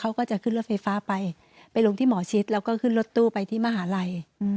เขาก็จะขึ้นรถไฟฟ้าไปไปลงที่หมอชิดแล้วก็ขึ้นรถตู้ไปที่มหาลัย